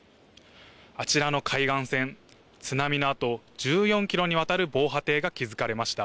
あちらの海岸線、津波のあと、１４キロにわたる防波堤が築かれました。